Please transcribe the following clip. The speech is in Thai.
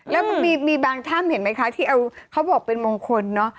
แล้วมันมีบางถ้ำเห็นไหมคะที่เอาเขาบอกเป็นมงคลเนอะ